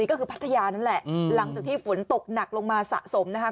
ก็คือพัทยานั่นแหละหลังจากที่ฝนตกหนักลงมาสะสมนะคะ